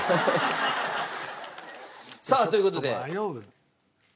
さあという事で。